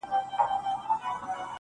• دلته ولور گټمه.